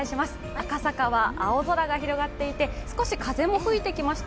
赤坂は青空が広がっていて、少し風も吹いてきました。